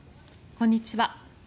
こんにちは。